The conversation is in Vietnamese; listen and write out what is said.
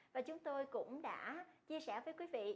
và chúng tôi cũng đã chia sẻ với quý vị